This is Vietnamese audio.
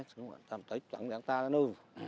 sử dụng bản tâm tích chẳng đáng xa cả đâu